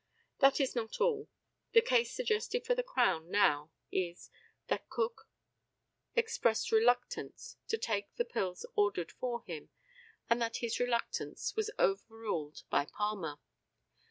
That is not all. The case suggested for the Crown now is, that Cook expressed reluctance to take the pills ordered for him, and that his reluctance was overruled by Palmer.